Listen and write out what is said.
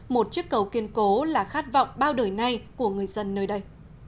một chiếc cầu kiên cố là khát vọng bao đời nay của người dân nơi đây